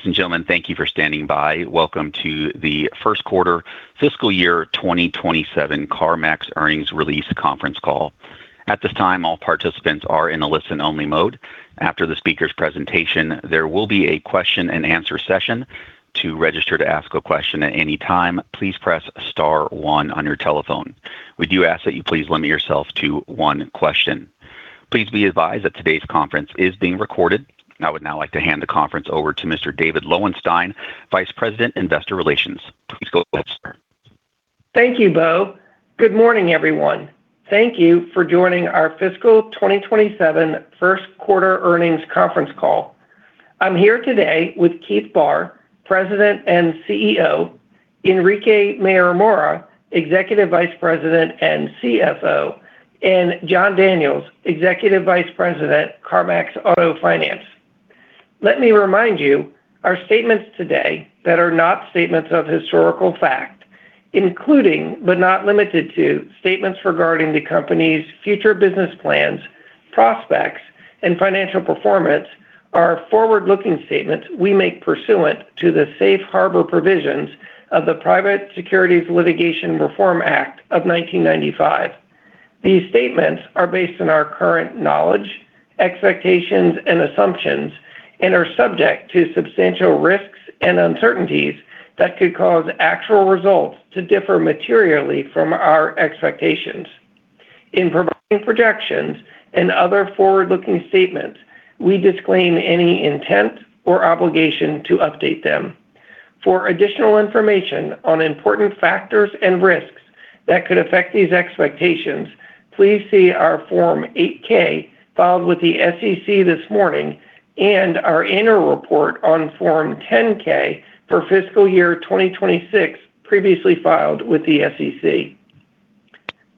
Ladies and gentlemen, thank you for standing by. Welcome to the first quarter fiscal year 2027 CarMax earnings release conference call. At this time, all participants are in a listen-only mode. After the speaker's presentation, there will be a question and answer session. To register to ask a question at any time, please press star one on your telephone. We do ask that you please limit yourself to one question. Please be advised that today's conference is being recorded. I would now like to hand the conference over to Mr. David Lowenstein, Vice President, Investor Relations. Please go ahead, sir. Thank you, Beau. Good morning, everyone. Thank you for joining our fiscal 2027 first quarter earnings conference call. I'm here today with Keith Barr, President and CEO, Enrique Mayor-Mora, Executive Vice President and CFO, and Jon Daniels, Executive Vice President, CarMax Auto Finance. Let me remind you, our statements today that are not statements of historical fact, including but not limited to statements regarding the company's future business plans, prospects and financial performance, are forward-looking statements we make pursuant to the safe harbor provisions of the Private Securities Litigation Reform Act of 1995. These statements are based on our current knowledge, expectations and assumptions and are subject to substantial risks and uncertainties that could cause actual results to differ materially from our expectations. In providing projections and other forward-looking statements, we disclaim any intent or obligation to update them. For additional information on important factors and risks that could affect these expectations, please see our Form 8-K filed with the SEC this morning and our annual report on Form 10-K for fiscal year 2026 previously filed with the SEC.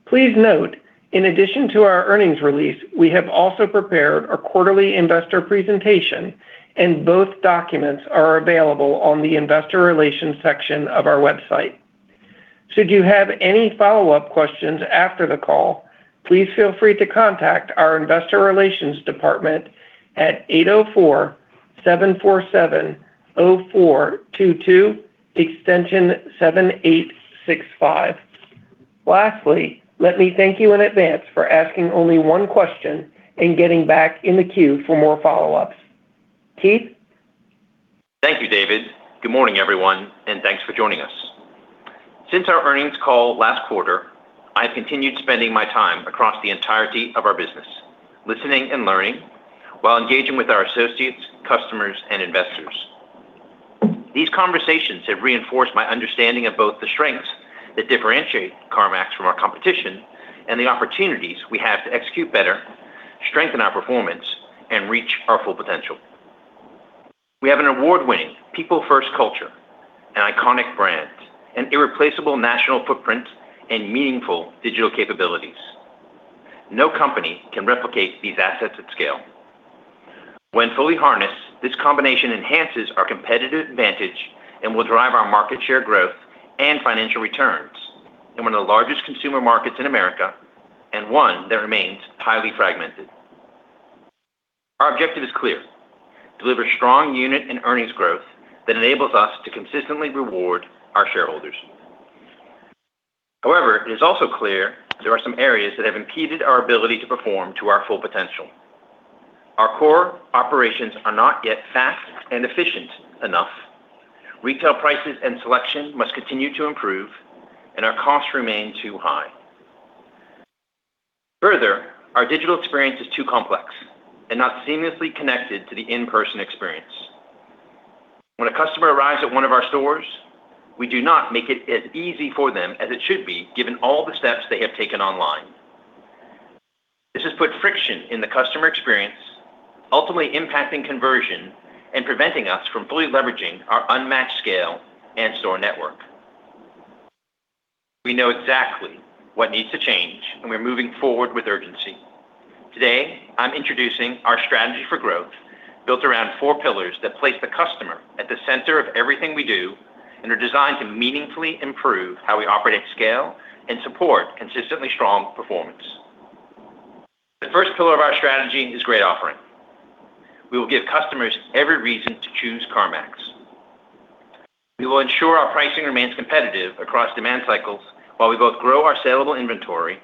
Please note, in addition to our earnings release, we have also prepared a quarterly investor presentation and both documents are available on the investor relations section of our website. Should you have any follow-up questions after the call, please feel free to contact our investor relations department at 804-747-0422, extension 7865. Lastly, let me thank you in advance for asking only one question and getting back in the queue for more follow-ups. Keith? Thank you, David. Good morning, everyone, and thanks for joining us. Since our earnings call last quarter, I've continued spending my time across the entirety of our business, listening and learning while engaging with our associates, customers, and investors. These conversations have reinforced my understanding of both the strengths that differentiate CarMax from our competition and the opportunities we have to execute better, strengthen our performance, and reach our full potential. We have an award-winning people first culture, an iconic brand, an irreplaceable national footprint, and meaningful digital capabilities. No company can replicate these assets at scale. When fully harnessed, this combination enhances our competitive advantage and will drive our market share growth and financial returns in one of the largest consumer markets in America, and one that remains highly fragmented. Our objective is clear, deliver strong unit and earnings growth that enables us to consistently reward our shareholders. It is also clear there are some areas that have impeded our ability to perform to our full potential. Our core operations are not yet fast and efficient enough. Retail prices and selection must continue to improve, and our costs remain too high. Our digital experience is too complex and not seamlessly connected to the in-person experience. When a customer arrives at one of our stores, we do not make it as easy for them as it should be given all the steps they have taken online. This has put friction in the customer experience, ultimately impacting conversion and preventing us from fully leveraging our unmatched scale and store network. We know exactly what needs to change, and we're moving forward with urgency. Today, I'm introducing our strategy for growth built around four pillars that place the customer at the center of everything we do and are designed to meaningfully improve how we operate at scale and support consistently strong performance. The first pillar of our strategy is great offering. We will give customers every reason to choose CarMax. We will ensure our pricing remains competitive across demand cycles while we both grow our salable inventory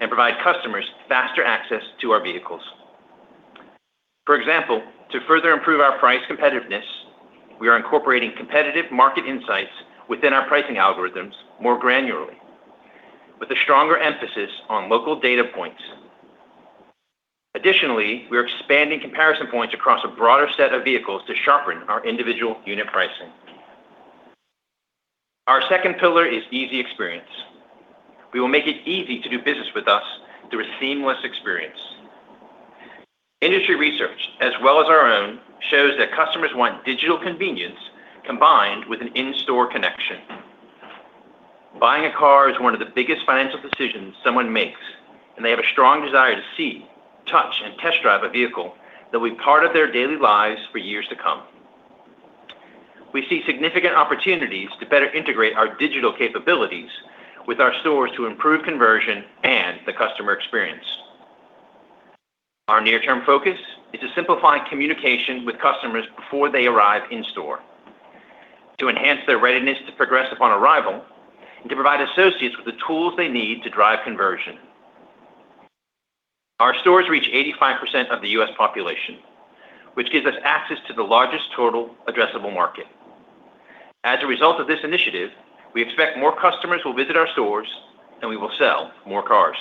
and provide customers faster access to our vehicles. For example, to further improve our price competitiveness, we are incorporating competitive market insights within our pricing algorithms more granularly with a stronger emphasis on local data points. We're expanding comparison points across a broader set of vehicles to sharpen our individual unit pricing. Our second pillar is easy experience. We will make it easy to do business with us through a seamless experience. Industry research, as well as our own, shows that customers want digital convenience combined with an in-store connection. Buying a car is one of the biggest financial decisions someone makes, and they have a strong desire to see, touch, and test drive a vehicle that will be part of their daily lives for years to come. We see significant opportunities to better integrate our digital capabilities with our stores to improve conversion and the customer experience. Our near-term focus is to simplify communication with customers before they arrive in store, to enhance their readiness to progress upon arrival, and to provide associates with the tools they need to drive conversion. Our stores reach 85% of the U.S. population, which gives us access to the largest total addressable market. We expect more customers will visit our stores, and we will sell more cars.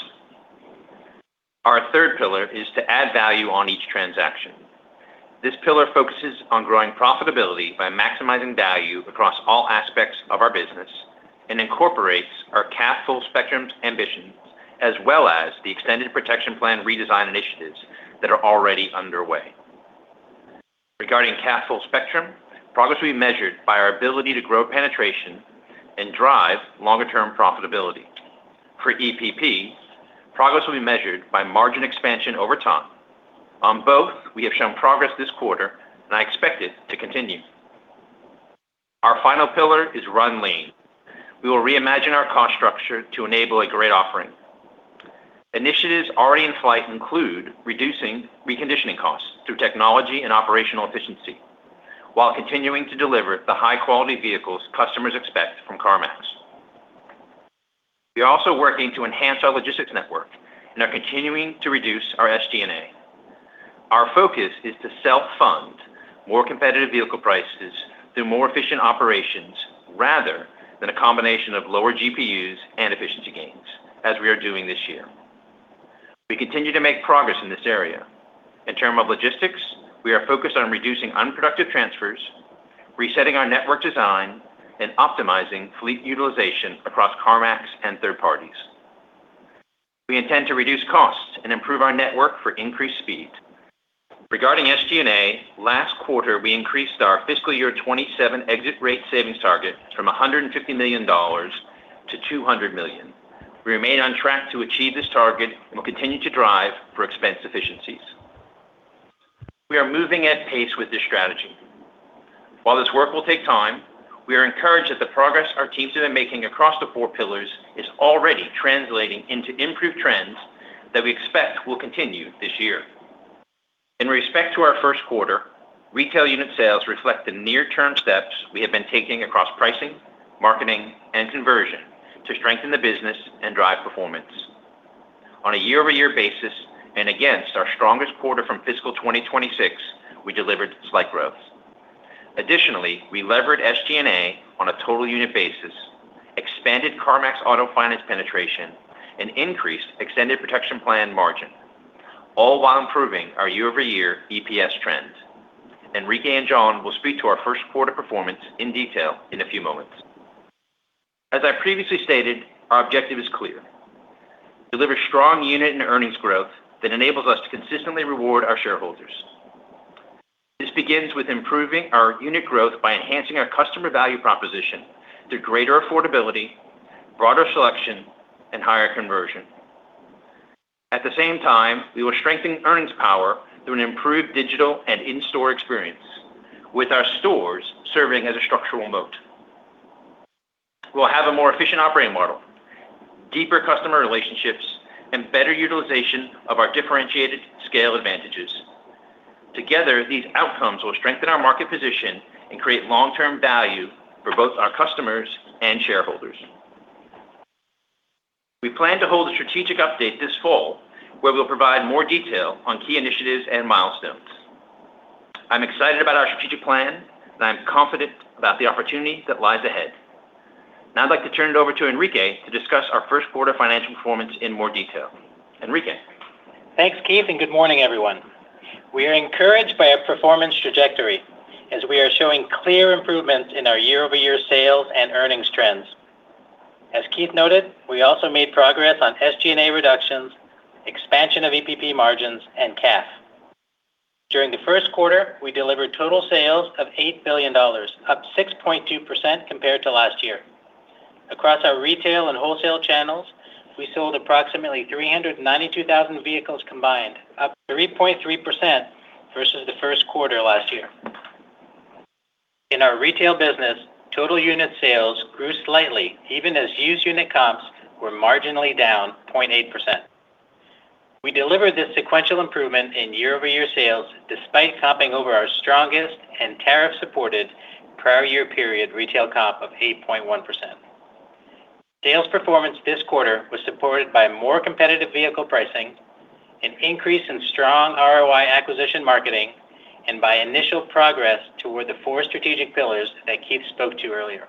Our third pillar is to add value on each transaction. This pillar focuses on growing profitability by maximizing value across all aspects of our business and incorporates our CAF Spectrum ambitions, as well as the extended protection plan redesign initiatives that are already underway. Regarding CAF Spectrum, progress will be measured by our ability to grow penetration and drive longer-term profitability. For EPP, progress will be measured by margin expansion over time. On both, we have shown progress this quarter, and I expect it to continue. Our final pillar is run lean. We will reimagine our cost structure to enable a great offering. Initiatives already in flight include reducing reconditioning costs through technology and operational efficiency while continuing to deliver the high-quality vehicles customers expect from CarMax. We are also working to enhance our logistics network and are continuing to reduce our SG&A. Our focus is to self-fund more competitive vehicle prices through more efficient operations, rather than a combination of lower GPUs and efficiency gains, as we are doing this year. We continue to make progress in this area. In terms of logistics, we are focused on reducing unproductive transfers, resetting our network design, and optimizing fleet utilization across CarMax and third parties. We intend to reduce costs and improve our network for increased speed. Regarding SG&A, last quarter, we increased our fiscal year 2027 exit rate savings target from $150 million-$200 million. We remain on track to achieve this target and will continue to drive for expense efficiencies. We are moving at pace with this strategy. While this work will take time, we are encouraged that the progress our teams have been making across the four pillars is already translating into improved trends that we expect will continue this year. In respect to our first quarter, retail unit sales reflect the near-term steps we have been taking across pricing, marketing, and conversion to strengthen the business and drive performance. On a year-over-year basis, and against our strongest quarter from fiscal 2026, we delivered slight growth. Additionally, we levered SG&A on a total unit basis, expanded CarMax Auto Finance penetration, and increased extended protection plan margin, all while improving our year-over-year EPS trends. Enrique and Jon will speak to our first quarter performance in detail in a few moments. As I previously stated, our objective is clear: deliver strong unit and earnings growth that enables us to consistently reward our shareholders. This begins with improving our unit growth by enhancing our customer value proposition through greater affordability, broader selection, and higher conversion. At the same time, we will strengthen earnings power through an improved digital and in-store experience with our stores serving as a structural moat. We'll have a more efficient operating model, deeper customer relationships, and better utilization of our differentiated scale advantages. Together, these outcomes will strengthen our market position and create long-term value for both our customers and shareholders. We plan to hold a strategic update this fall, where we'll provide more detail on key initiatives and milestones. I'm excited about our strategic plan, and I'm confident about the opportunity that lies ahead. Now I'd like to turn it over to Enrique to discuss our first quarter financial performance in more detail. Enrique? Thanks, Keith, and good morning, everyone. We are encouraged by our performance trajectory as we are showing clear improvements in our year-over-year sales and earnings trends. As Keith noted, we also made progress on SG&A reductions, expansion of EPP margins, and CAF. During the first quarter, we delivered total sales of $8 billion, up 6.2% compared to last year. Across our retail and wholesale channels, we sold approximately 392,000 vehicles combined, up 3.3% versus the first quarter last year. In our retail business, total unit sales grew slightly even as used unit comps were marginally down 0.8%. We delivered this sequential improvement in year-over-year sales despite comping over our strongest and tariff-supported prior year period retail comp of 8.1%. Sales performance this quarter was supported by more competitive vehicle pricing, an increase in strong ROI acquisition marketing, and by initial progress toward the four strategic pillars that Keith spoke to earlier.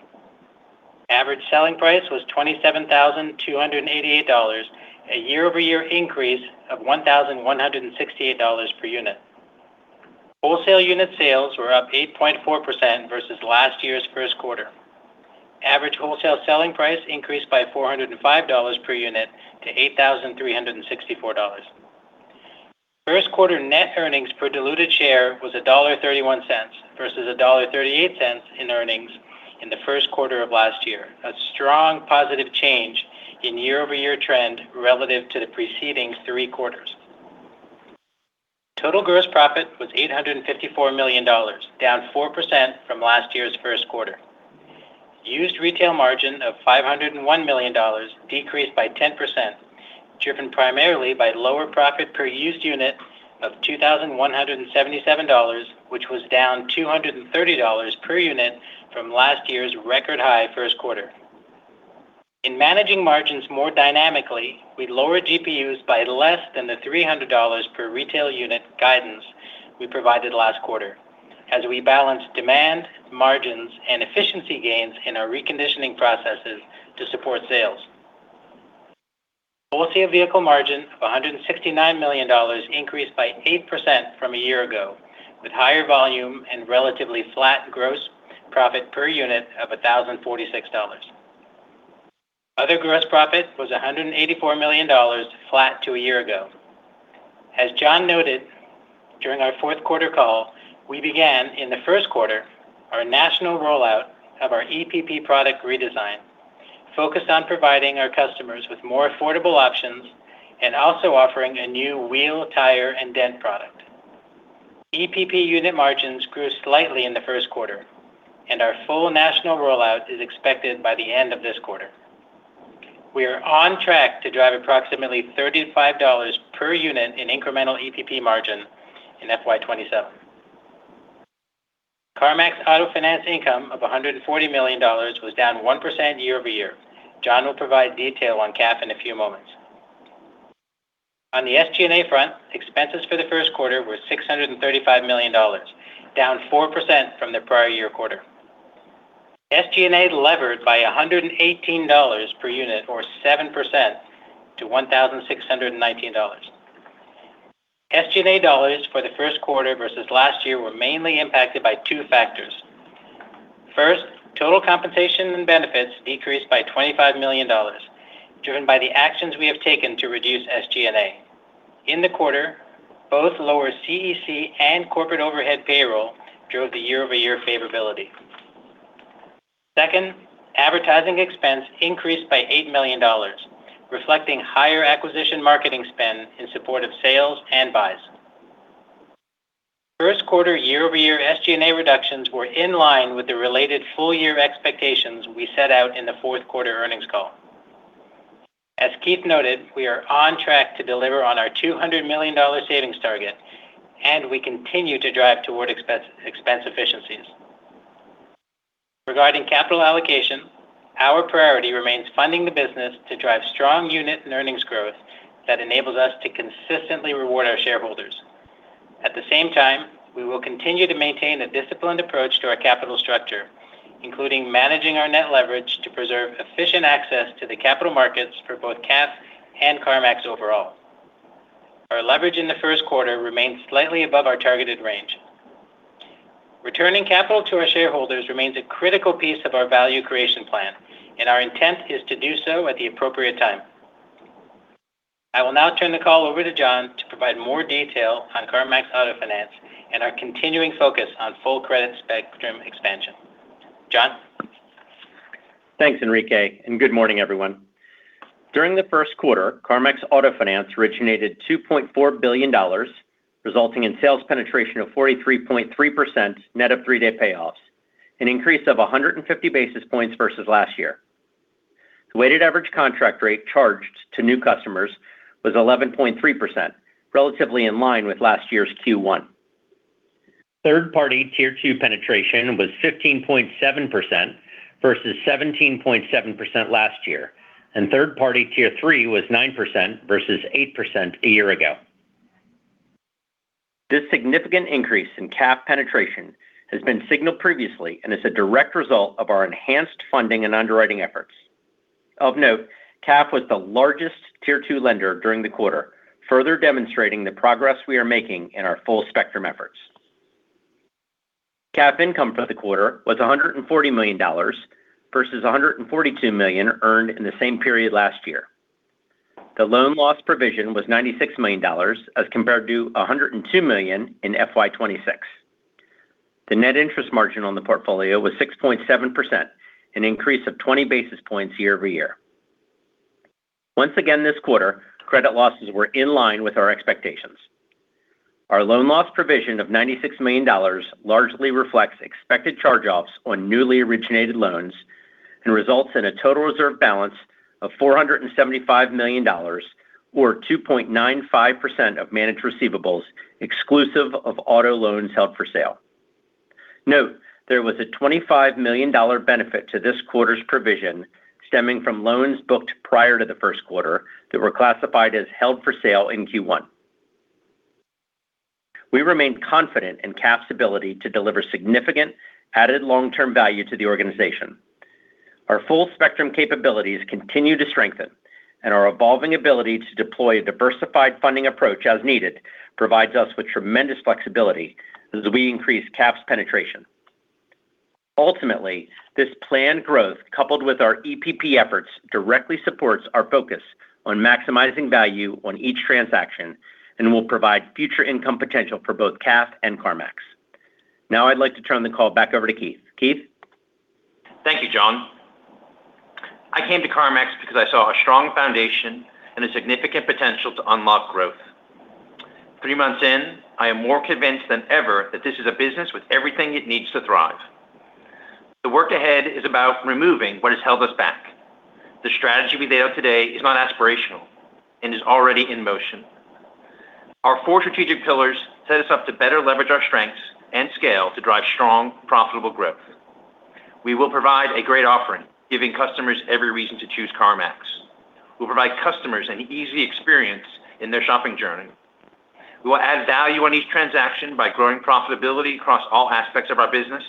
Average selling price was $27,288, a year-over-year increase of $1,168 per unit. Wholesale unit sales were up 8.4% versus last year's first quarter. Average wholesale selling price increased by $405 per unit to $8,364. First quarter net earnings per diluted share was $1.31 versus $1.38 in earnings in the first quarter of last year. A strong positive change in year-over-year trend relative to the preceding three quarters. Total gross profit was $854 million, down 4% from last year's first quarter. Used retail margin of $501 million, decreased by 10%, driven primarily by lower profit per used unit of $2,177, which was down $230 per unit from last year's record high first quarter. In managing margins more dynamically, we lowered GPUs by less than the $300 per retail unit guidance we provided last quarter, as we balanced demand, margins, and efficiency gains in our reconditioning processes to support sales. Wholesale vehicle margin of $169 million increased by 8% from a year ago, with higher volume and relatively flat gross profit per unit of $1,046. Other gross profit was $184 million, flat to a year ago. As Jon noted during our fourth quarter call, we began, in the first quarter, our national rollout of our EPP product redesign, focused on providing our customers with more affordable options, and also offering a new wheel, tire, and dent product. EPP unit margins grew slightly in the first quarter, and our full national rollout is expected by the end of this quarter. We are on track to drive approximately $35 per unit in incremental EPP margin in FY 2027. CarMax Auto Finance income of $140 million was down 1% year-over-year. Jon will provide detail on CAF in a few moments. On the SG&A front, expenses for the first quarter were $635 million, down 4% from the prior year quarter. SG&A levered by $118 per unit or 7% to $1,619. SG&A dollars for the first quarter versus last year were mainly impacted by two factors. First, total compensation and benefits decreased by $25 million, driven by the actions we have taken to reduce SG&A. In the quarter, both lower CEC and corporate overhead payroll drove the year-over-year favorability. Second, advertising expense increased by $8 million, reflecting higher acquisition marketing spend in support of sales and buys. First quarter year-over-year SG&A reductions were in line with the related full year expectations we set out in the fourth quarter earnings call. As Keith noted, we are on track to deliver on our $200 million savings target, and we continue to drive toward expense efficiencies. Regarding capital allocation, our priority remains funding the business to drive strong unit and earnings growth that enables us to consistently reward our shareholders. At the same time, we will continue to maintain a disciplined approach to our capital structure, including managing our net leverage to preserve efficient access to the capital markets for both CAF and CarMax overall. Our leverage in the first quarter remains slightly above our targeted range. Returning capital to our shareholders remains a critical piece of our value creation plan, and our intent is to do so at the appropriate time. I will now turn the call over to Jon to provide more detail on CarMax Auto Finance and our continuing focus on full credit spectrum expansion. Jon? Thanks, Enrique, and good morning, everyone. During the first quarter, CarMax Auto Finance originated $2.4 billion, resulting in sales penetration of 43.3%, net of three-day payoffs, an increase of 150 basis points versus last year. The weighted average contract rate charged to new customers was 11.3%, relatively in line with last year's Q1. Third party Tier 2 penetration was 15.7% versus 17.7% last year, and third party Tier 3 was 9% versus 8% a year ago. This significant increase in CAF penetration has been signaled previously and is a direct result of our enhanced funding and underwriting efforts. Of note, CAF was the largest Tier 2 lender during the quarter, further demonstrating the progress we are making in our full-spectrum efforts. CAF income for the quarter was $140 million versus $142 million earned in the same period last year. The loan loss provision was $96 million as compared to $102 million in FY 2026. The net interest margin on the portfolio was 6.7%, an increase of 20 basis points year-over-year. Once again this quarter, credit losses were in line with our expectations. Our loan loss provision of $96 million largely reflects expected charge-offs on newly originated loans and results in a total reserve balance of $475 million, or 2.95% of managed receivables, exclusive of auto loans held for sale. Note, there was a $25 million benefit to this quarter's provision stemming from loans booked prior to the first quarter that were classified as held for sale in Q1. We remain confident in CAF's ability to deliver significant added long-term value to the organization. Our full-spectrum capabilities continue to strengthen, our evolving ability to deploy a diversified funding approach as needed provides us with tremendous flexibility as we increase CAF's penetration. Ultimately, this planned growth, coupled with our EPP efforts, directly supports our focus on maximizing value on each transaction and will provide future income potential for both CAF and CarMax. Now I'd like to turn the call back over to Keith. Keith? Thank you, Jon. I came to CarMax because I saw a strong foundation and a significant potential to unlock growth. Three months in, I am more convinced than ever that this is a business with everything it needs to thrive. The work ahead is about removing what has held us back. The strategy we laid out today is not aspirational and is already in motion. Our four strategic pillars set us up to better leverage our strengths and scale to drive strong, profitable growth. We will provide a great offering, giving customers every reason to choose CarMax. We'll provide customers an easy experience in their shopping journey. We will add value on each transaction by growing profitability across all aspects of our business.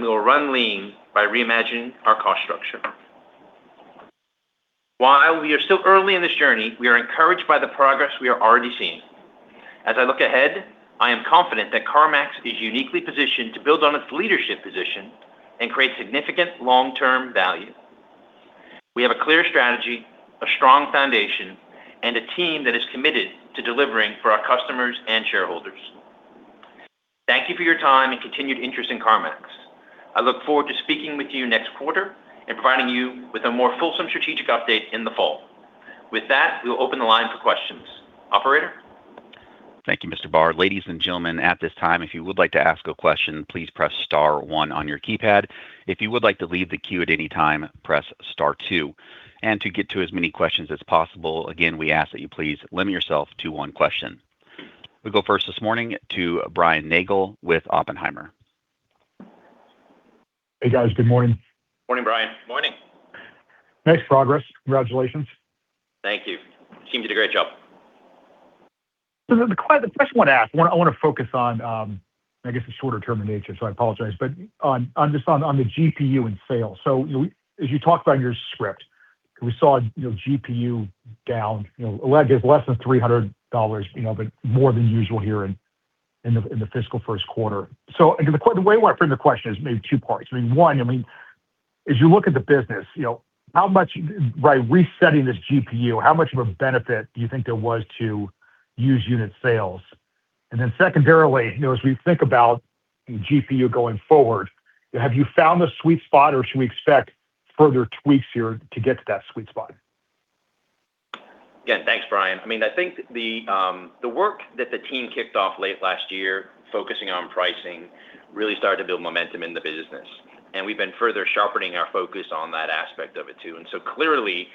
We will run lean by reimagining our cost structure. While we are still early in this journey, we are encouraged by the progress we are already seeing. As I look ahead, I am confident that CarMax is uniquely positioned to build on its leadership position and create significant long-term value. We have a clear strategy, a strong foundation, and a team that is committed to delivering for our customers and shareholders. Thank you for your time and continued interest in CarMax. I look forward to speaking with you next quarter and providing you with a more fulsome strategic update in the fall. With that, we'll open the line for questions. Operator? Thank you, Mr. Barr. Ladies and gentlemen, at this time, if you would like to ask a question, please press star one on your keypad. If you would like to leave the queue at any time, press star two. To get to as many questions as possible, again, we ask that you please limit yourself to one question. We go first this morning to Brian Nagel with Oppenheimer. Hey, guys. Good morning. Morning, Brian. Morning. Nice progress. Congratulations. Thank you. Team did a great job. The question I want to ask, I want to focus on, I guess it's shorter-term in nature, just on the GPU and sales. As you talked about in your script, we saw GPU down, I guess less than $300, but more than usual here in the fiscal first quarter. The way I want to frame the question is maybe two parts. One, as you look at the business, by resetting this GPU, how much of a benefit do you think there was to unit sales? And then secondarily, as we think about GPU going forward, have you found the sweet spot, or should we expect further tweaks here to get to that sweet spot? Yeah. Thanks, Brian. I think the work that the team kicked off late last year focusing on pricing really started to build momentum in the business, and we've been further sharpening our focus on that aspect of it, too. Clearly,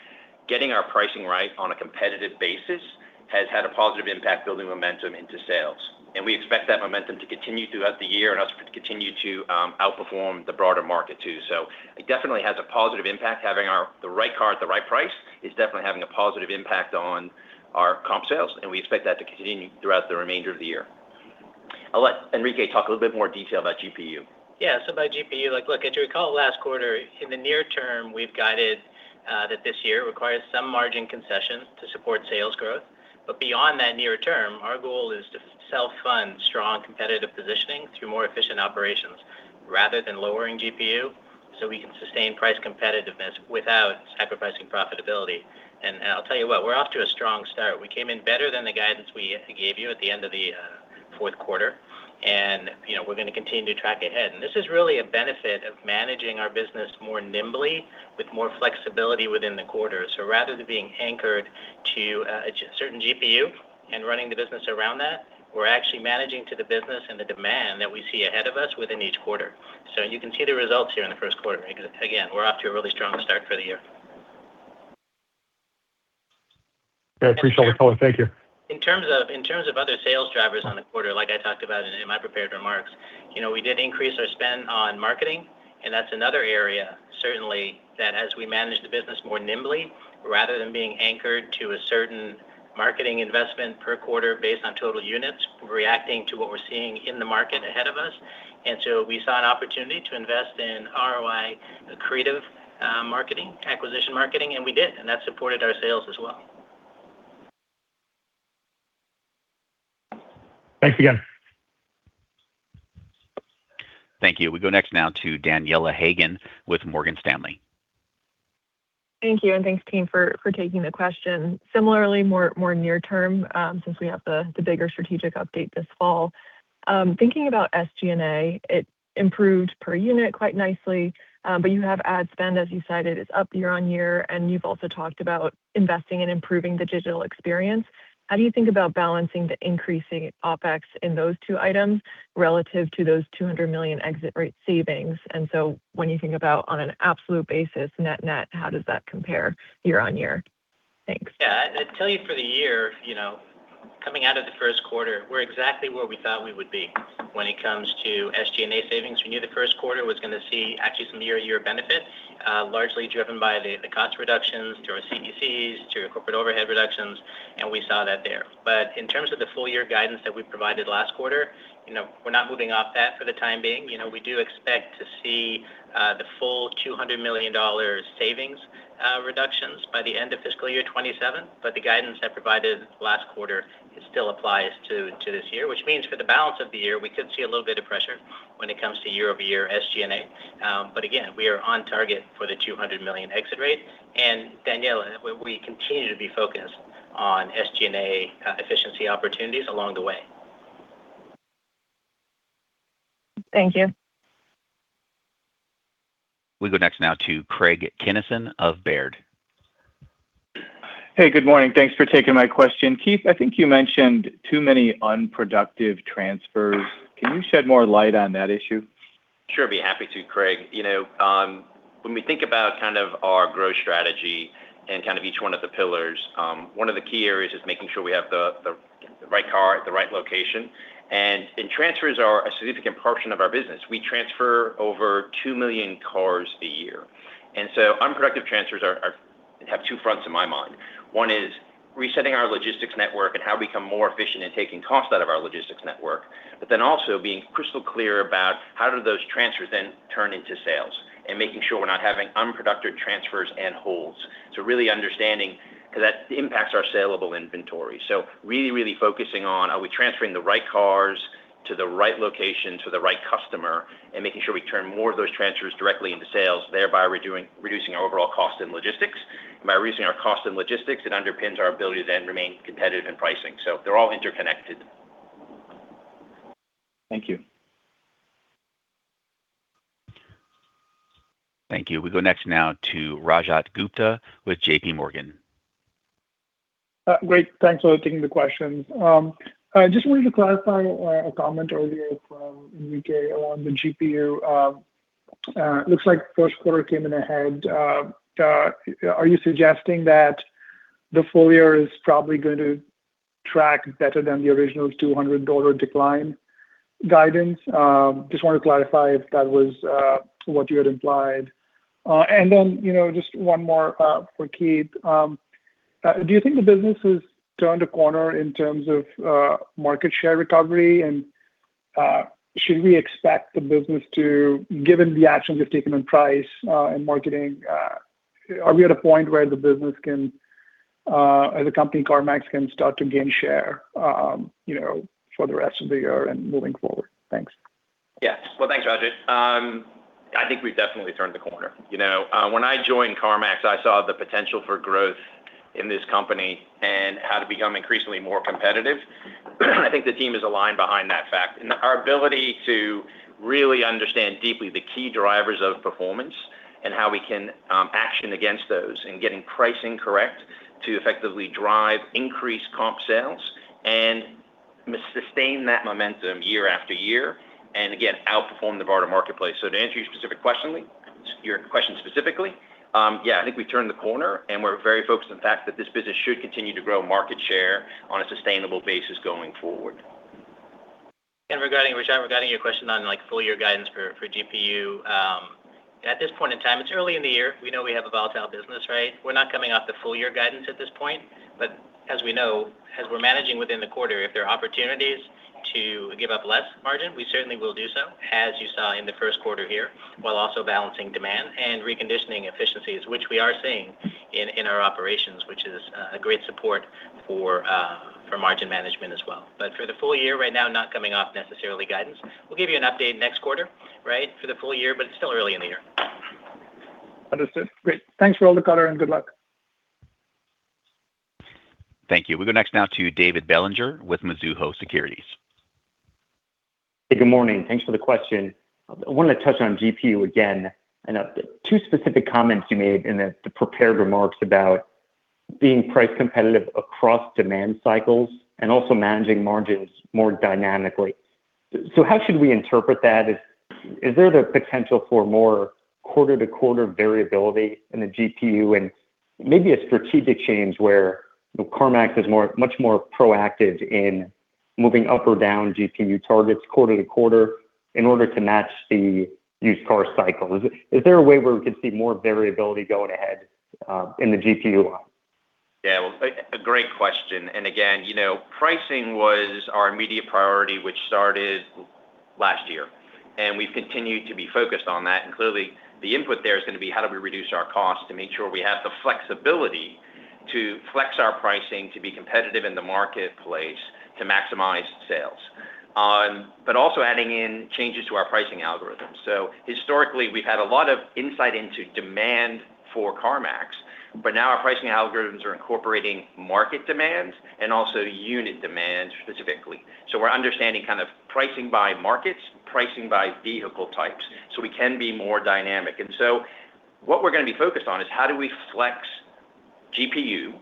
getting our pricing right on a competitive basis has had a positive impact building momentum into sales. We expect that momentum to continue throughout the year and also to continue to outperform the broader market, too. It definitely has a positive impact. Having the right car at the right price is definitely having a positive impact on our comp sales, and we expect that to continue throughout the remainder of the year. I'll let Enrique talk a little bit more detail about GPU. Yeah. By GPU, as you recall last quarter, in the near term, we've guided that this year requires some margin concessions to support sales growth. Beyond that near term, our goal is to self-fund strong competitive positioning through more efficient operations rather than lowering GPU, so we can sustain price competitiveness without sacrificing profitability. I'll tell you what, we're off to a strong start. We came in better than the guidance we gave you at the end of the fourth quarter, and we're going to continue to track ahead. This is really a benefit of managing our business more nimbly with more flexibility within the quarter. Rather than being anchored to a certain GPU and running the business around that, we're actually managing to the business and the demand that we see ahead of us within each quarter. You can see the results here in the first quarter because, again, we're off to a really strong start for the year. I appreciate the color. Thank you. In terms of other sales drivers on the quarter, like I talked about in my prepared remarks, we did increase our spend on marketing. That's another area certainly that as we manage the business more nimbly, rather than being anchored to a certain marketing investment per quarter based on total units, we're reacting to what we're seeing in the market ahead of us. We saw an opportunity to invest in ROI creative marketing, acquisition marketing, and we did, and that supported our sales as well. Thanks again. Thank you. We go next now to Daniela Haigian with Morgan Stanley. Thank you, and thanks team for taking the question. Similarly, more near term, since we have the bigger strategic update this fall. Thinking about SG&A, it improved per unit quite nicely. You have ad spend, as you cited, is up year-over-year, and you've also talked about investing in improving the digital experience. How do you think about balancing the increasing OpEx in those two items relative to those $200 million exit rate savings? When you think about on an absolute basis, net-net, how does that compare year-over-year? Thanks. Yeah. I'd tell you for the year, coming out of the first quarter, we're exactly where we thought we would be when it comes to SG&A savings. We knew the first quarter was going to see actually some year-over-year benefit, largely driven by the cost reductions through our CECs, through our corporate overhead reductions, and we saw that there. In terms of the full year guidance that we provided last quarter, we're not moving off that for the time being. We do expect to see the full $200 million savings reductions by the end of fiscal year 2027. The guidance I provided last quarter still applies to this year, which means for the balance of the year, we could see a little bit of pressure when it comes to year-over-year SG&A. Again, we are on target for the $200 million exit rate. Daniela, we continue to be focused on SG&A efficiency opportunities along the way. Thank you. We go next now to Craig Kennison of Baird. Hey, good morning. Thanks for taking my question. Keith, I think you mentioned too many unproductive transfers. Can you shed more light on that issue? Sure. Be happy to, Craig. When we think about our growth strategy and each one of the pillars, one of the key areas is making sure we have the right car at the right location. Transfers are a significant portion of our business. We transfer over 2 million cars a year. Unproductive transfers have two fronts in my mind. One is resetting our logistics network and how we become more efficient in taking cost out of our logistics network, also being crystal clear about how do those transfers then turn into sales, and making sure we're not having unproductive transfers and holds. Really understanding, because that impacts our saleable inventory. Really focusing on are we transferring the right cars to the right location, to the right customer, and making sure we turn more of those transfers directly into sales, thereby reducing our overall cost in logistics. By reducing our cost in logistics, it underpins our ability to then remain competitive in pricing. They're all interconnected. Thank you. Thank you. We go next now to Rajat Gupta with JPMorgan. Great. Thanks for taking the question. I just wanted to clarify a comment earlier from Enrique along the GPU. Looks like first quarter came in ahead. Are you suggesting that the full year is probably going to track better than the original $200 decline guidance? Just wanted to clarify if that was what you had implied. And then just one more for Keith. Do you think the business has turned a corner in terms of market share recovery, and should we expect the business to, given the actions you've taken on price and marketing, are we at a point where the company, CarMax, can start to gain share for the rest of the year and moving forward? Thanks. Yeah. Well, thanks, Rajat. I think we've definitely turned the corner. When I joined CarMax, I saw the potential for growth in this company and how to become increasingly more competitive. I think the team is aligned behind that fact and our ability to really understand deeply the key drivers of performance and how we can action against those in getting pricing correct to effectively drive increased comp sales and sustain that momentum year after year, and again, outperform the broader marketplace. To answer your question specifically, yeah, I think we've turned the corner and we're very focused on the fact that this business should continue to grow market share on a sustainable basis going forward. Rajat, regarding your question on full year guidance for GPU. At this point in time, it's early in the year. We know we have a volatile business, right? We're not coming off the full year guidance at this point, but as we know, as we're managing within the quarter, if there are opportunities to give up less margin, we certainly will do so, as you saw in the first quarter here, while also balancing demand and reconditioning efficiencies, which we are seeing in our operations, which is a great support for margin management as well. But for the full year right now, not coming off necessarily guidance. We'll give you an update next quarter, right, for the full year, but it's still early in the year. Understood. Great. Thanks for all the color, and good luck. Thank you. We go next now to David Bellinger with Mizuho Securities. Hey, good morning. Thanks for the question. I wanted to touch on GPU again, two specific comments you made in the prepared remarks about being price competitive across demand cycles and also managing margins more dynamically. How should we interpret that? Is there the potential for more quarter-to-quarter variability in the GPU and maybe a strategic change where CarMax is much more proactive in moving up or down GPU targets quarter-to-quarter in order to match the used car cycle? Is there a way where we could see more variability going ahead in the GPU line? Yeah. Well, a great question. Again, pricing was our immediate priority, which started last year, and we've continued to be focused on that. Clearly, the input there is going to be how do we reduce our cost to make sure we have the flexibility to flex our pricing to be competitive in the marketplace to maximize sales. Also adding in changes to our pricing algorithms. Historically, we've had a lot of insight into demand for CarMax, but now our pricing algorithms are incorporating market demands and also unit demands specifically. We're understanding pricing by markets, pricing by vehicle types, so we can be more dynamic. What we're going to be focused on is how do we flex GPU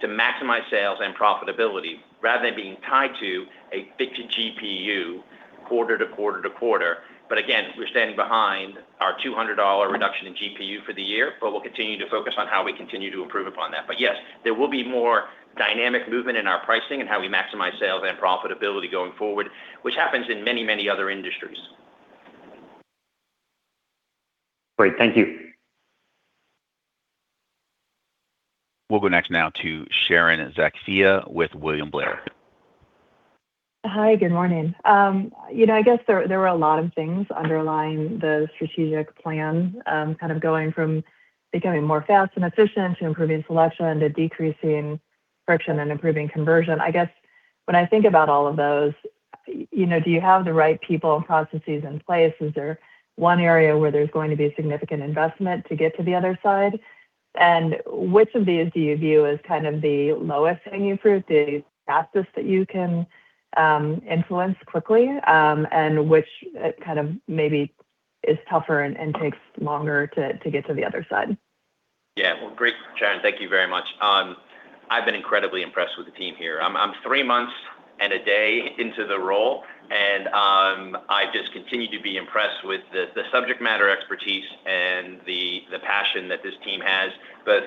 to maximize sales and profitability rather than being tied to a fixed GPU quarter to quarter to quarter. Again, we're standing behind our $200 reduction in GPU for the year, but we'll continue to focus on how we continue to improve upon that. Yes, there will be more dynamic movement in our pricing and how we maximize sales and profitability going forward, which happens in many, many other industries. Great. Thank you. We'll go next now to Sharon Zackfia with William Blair. Hi. Good morning. I guess there were a lot of things underlying the strategic plan, kind of going from becoming more fast and efficient to improving selection, to decreasing friction and improving conversion. I guess when I think about all of those, do you have the right people and processes in place? Is there one area where there's going to be a significant investment to get to the other side? Which of these do you view as the lowest hanging fruit, the fastest that you can influence quickly? Which maybe is tougher and takes longer to get to the other side? Well, great, Sharon, thank you very much. I've been incredibly impressed with the team here. I'm three months and a day into the role, I just continue to be impressed with the subject matter expertise and the passion that this team has, both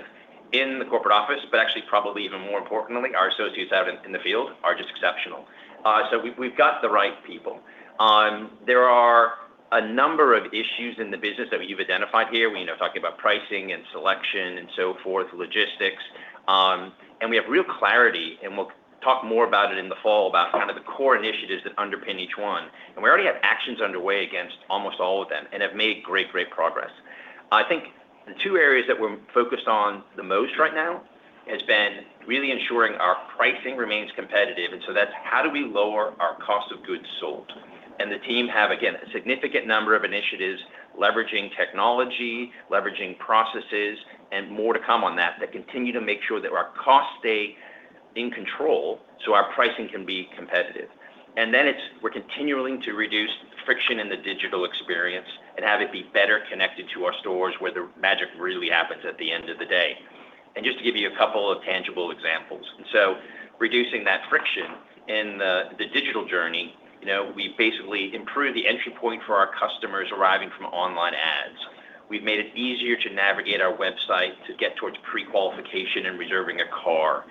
in the corporate office, actually, probably even more importantly, our associates out in the field are just exceptional. We've got the right people. There are a number of issues in the business that we've identified here. We know talking about pricing and selection and so forth, logistics. We have real clarity, we'll talk more about it in the fall about kind of the core initiatives that underpin each one. We already have actions underway against almost all of them and have made great progress. I think the two areas that we're focused on the most right now has been really ensuring our pricing remains competitive. That's how do we lower our cost of goods sold. The team have, again, a significant number of initiatives leveraging technology, leveraging processes, more to come on that continue to make sure that our costs stay in control, so our pricing can be competitive. We're continuing to reduce friction in the digital experience and have it be better connected to our stores, where the magic really happens at the end of the day. Just to give you a couple of tangible examples. Reducing that friction in the digital journey. We basically improved the entry point for our customers arriving from online ads. We've made it easier to navigate our website to get towards prequalification and reserving a car.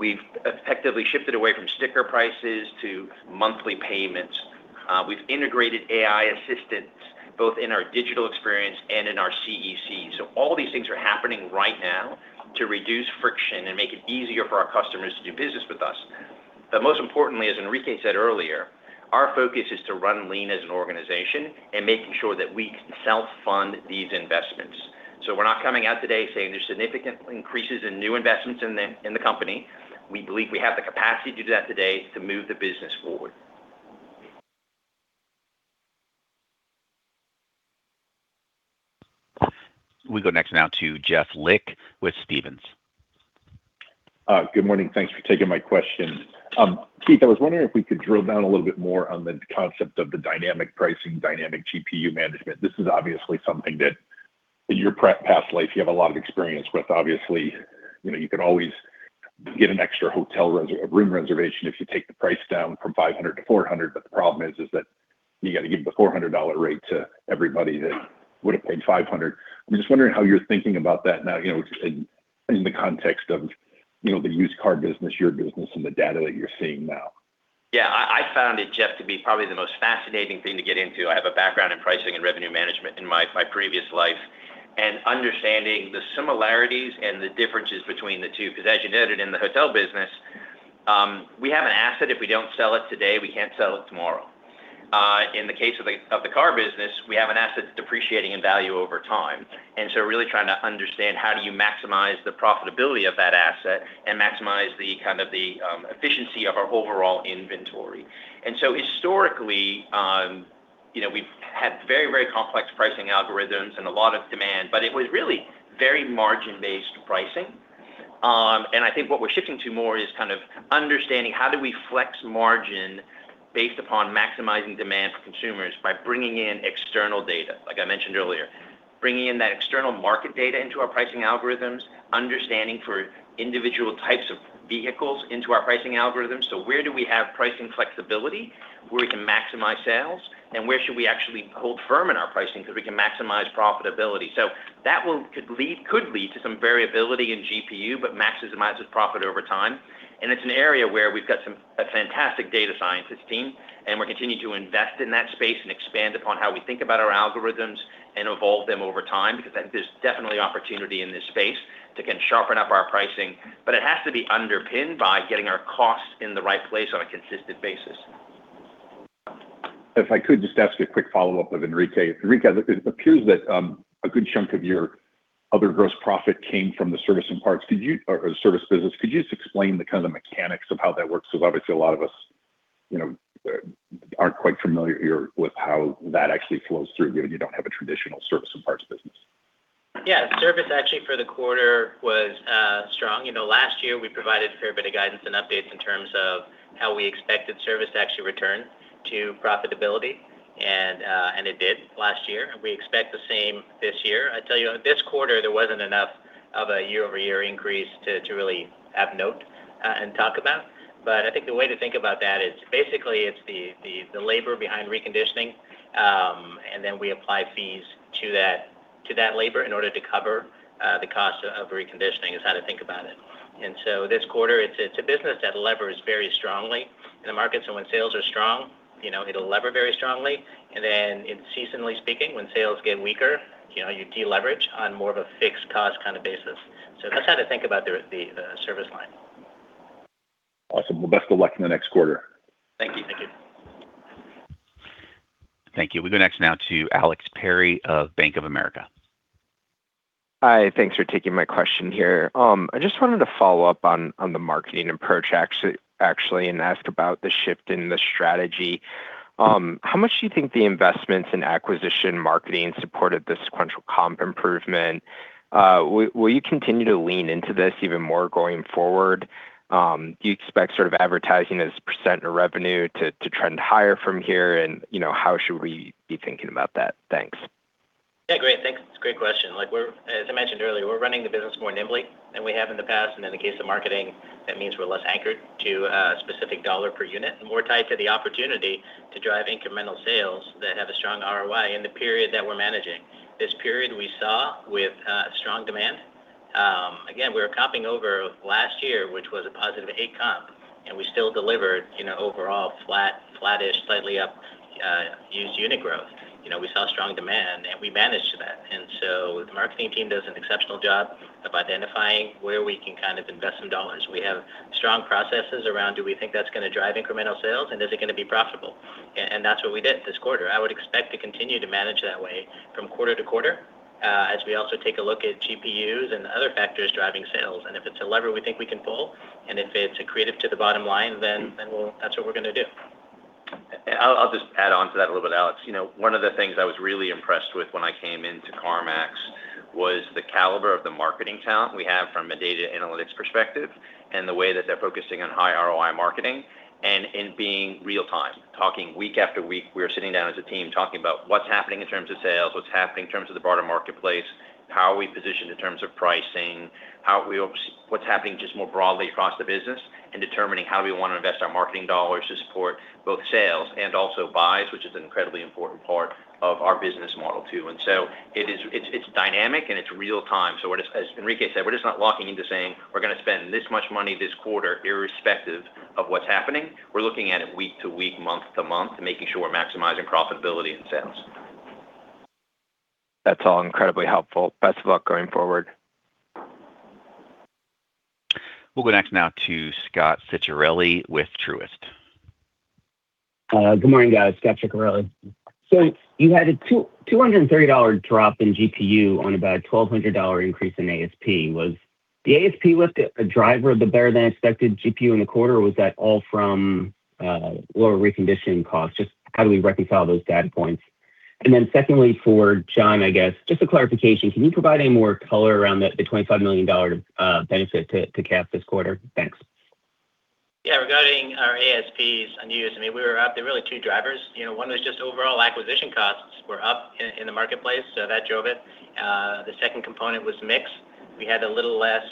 We've effectively shifted away from sticker prices to monthly payments. We've integrated AI assistants both in our digital experience and in our CEC. All these things are happening right now to reduce friction and make it easier for our customers to do business with us. Most importantly, as Enrique said earlier, our focus is to run lean as an organization and making sure that we self-fund these investments. We're not coming out today saying there's significant increases in new investments in the company. We believe we have the capacity to do that today to move the business forward. We go next now to Jeff Lick with Stephens. Good morning. Thanks for taking my question. Keith, I was wondering if we could drill down a little bit more on the concept of the dynamic pricing, dynamic GPU management. This is obviously something that in your past life you have a lot of experience with. Obviously, you can always get an extra hotel room reservation if you take the price down from 500-400. The problem is that you got to give the $400 rate to everybody that would've paid 500. I'm just wondering how you're thinking about that now in the context of the used car business, your business, and the data that you're seeing now. Yeah, I found it, Jeff, to be probably the most fascinating thing to get into. I have a background in pricing and revenue management in my previous life and understanding the similarities and the differences between the two. As you noted in the hotel business, we have an asset. If we don't sell it today, we can't sell it tomorrow. In the case of the car business, we have an asset that's depreciating in value over time. Really trying to understand how do you maximize the profitability of that asset and maximize the efficiency of our overall inventory. Historically, we've had very complex pricing algorithms and a lot of demand, but it was really very margin-based pricing. I think what we're shifting to more is understanding how do we flex margin based upon maximizing demand for consumers by bringing in external data, like I mentioned earlier. Bringing in that external market data into our pricing algorithms, understanding for individual types of vehicles into our pricing algorithms. Where do we have pricing flexibility, where we can maximize sales, and where should we actually hold firm in our pricing so we can maximize profitability? That could lead to some variability in GPU, but maximizes profit over time. It's an area where we've got a fantastic data sciences team, and we're continuing to invest in that space and expand upon how we think about our algorithms and evolve them over time, because I think there's definitely opportunity in this space to sharpen up our pricing. It has to be underpinned by getting our costs in the right place on a consistent basis. If I could just ask a quick follow-up of Enrique. Enrique, it appears that a good chunk of your other gross profit came from the service and parts. Could you or service business, could you just explain the mechanics of how that works? Obviously a lot of us aren't quite familiar here with how that actually flows through you, and you don't have a traditional service and parts business. Service actually for the quarter was strong. Last year we provided a fair bit of guidance and updates in terms of how we expected service to actually return to profitability. It did last year, and we expect the same this year. I tell you, this quarter, there wasn't enough of a year-over-year increase to really have note and talk about. I think the way to think about that is basically it's the labor behind reconditioning, and then we apply fees to that labor in order to cover the cost of reconditioning is how to think about it. This quarter, it's a business that levers very strongly in the markets. When sales are strong, it'll lever very strongly. Seasonally speaking, when sales get weaker, you de-leverage on more of a fixed cost basis. That's how to think about the service line. Well, best of luck in the next quarter. Thank you. Thank you. We go next now to Alexander Perry of Bank of America. Hi. Thanks for taking my question here. I just wanted to follow up on the marketing and approach actually, ask about the shift in the strategy. How much do you think the investments in acquisition marketing supported the sequential comp improvement? Will you continue to lean into this even more going forward? Do you expect sort of advertising as percentage of revenue to trend higher from here? How should we be thinking about that? Thanks. Yeah, great. Thanks. Great question. Like as I mentioned earlier, we're running the business more nimbly than we have in the past, in the case of marketing, that means we're less anchored to a specific dollar per unit and more tied to the opportunity to drive incremental sales that have a strong ROI in the period that we're managing. This period we saw with strong demand. Again, we were comping over last year, which was a positive eight comp. We still delivered overall flatish, slightly up used unit growth. We saw strong demand. We managed to that. The marketing team does an exceptional job of identifying where we can kind of invest some dollars. We have strong processes around, do we think that's going to drive incremental sales and is it going to be profitable? That's what we did this quarter. I would expect to continue to manage that way from quarter to quarter as we also take a look at GPUs and other factors driving sales. If it's a lever we think we can pull, if it's accretive to the bottom line, that's what we're going to do. I'll just add on to that a little bit, Alex. One of the things I was really impressed with when I came into CarMax was the caliber of the marketing talent we have from a data analytics perspective and the way that they're focusing on high ROI marketing and in being real-time. Talking week after week, we are sitting down as a team talking about what's happening in terms of sales, what's happening in terms of the broader marketplace, how are we positioned in terms of pricing, what's happening just more broadly across the business and determining how we want to invest our marketing dollars to support both sales and also buys, which is an incredibly important part of our business model, too. It's dynamic and it's real time. as Enrique said, we're just not locking into saying we're going to spend this much money this quarter irrespective of what's happening. We're looking at it week to week, month to month, and making sure we're maximizing profitability and sales. That's all incredibly helpful. Best of luck going forward. We'll go next now to Scot Ciccarelli with Truist. Good morning, guys. Scot Ciccarelli. you had a $230 drop in GPU on about a $1,200 increase in ASP. Was the ASP lift a driver of the better than expected GPU in the quarter, or was that all from lower reconditioning costs? Just how do we reconcile those data points? then secondly, for Jon, I guess just a clarification, can you provide any more color around the $25 million benefit to CAF this quarter? Thanks. Yeah, regarding our ASPs on used, there were really two drivers. One was just overall acquisition costs were up in the marketplace, so that drove it. The second component was mix. We had a little less